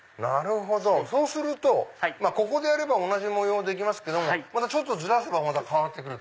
そうするとここでやれば同じ文様できますけどもちょっとずらせば変わって来る。